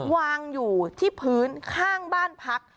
วางอยู่ที่พื้นข้างบ้านพัก